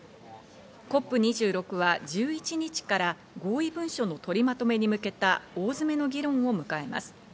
ＣＯＰ２６は１１日から合意文書の取りまとめに向けた大詰めの議論を迎えます。